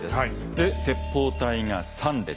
で鉄砲隊が３列。